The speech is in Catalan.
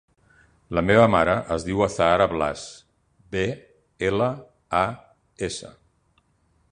La meva mare es diu Azahara Blas: be, ela, a, essa.